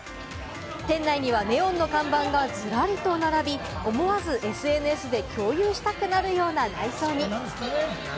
店内にはネオンの看板がずらりと並び、思わずＳＮＳで共有したくなるような内装に。